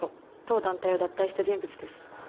当団体を脱退した人物です。